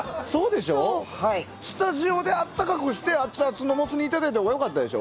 スタジオで温かくして熱々のモツ煮をいただいたほうがよかったでしょ。